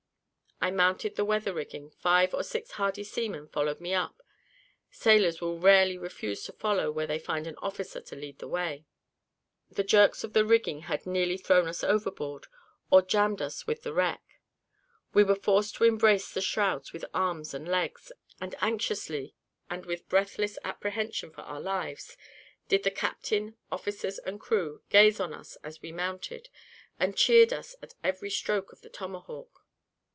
I mounted the weather rigging; five or six hardy seamen followed me; sailors will rarely refuse to follow where they find an officer to lead the way. The jerks of the rigging had nearly thrown us overboard, or jammed us with the wreck. We were forced to embrace the shrouds with arms and legs; and anxiously, and with breathless apprehension for our lives, did the captain, officers, and crew, gaze on us as we mounted, and cheered us at every stroke of the tomahawk.